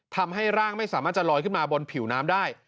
ทำให้ร่างไม่สามารถจะลอยขึ้นมาบนผิวน้ำได้